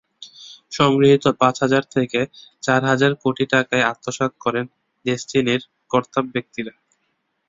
সংগৃহীত পাঁচ হাজার থেকে চার হাজার কোটি টাকাই আত্মসাৎ করেন ডেসটিনির কর্তাব্যক্তিরা।